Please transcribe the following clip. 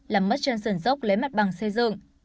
làm mất trên sườn dốc lấy mặt bằng xây dựng